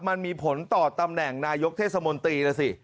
มันมีผลต่อตำแหน่งนายกเทศมนตรีนะสิ